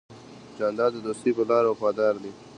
جانداد د دوستی په لار وفادار دی.